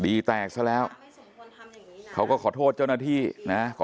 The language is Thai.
แตกซะแล้วเขาก็ขอโทษเจ้าหน้าที่นะ